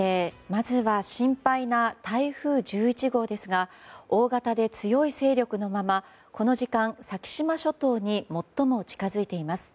まずは、心配な台風１１号ですが大型で強い勢力のままこの時間先島諸島に最も近づいています。